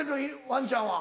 ワンちゃんは。